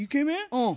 うん。